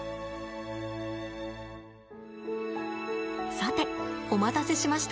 さてお待たせしました。